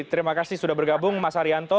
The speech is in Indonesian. terima kasih sudah bergabung mas arianto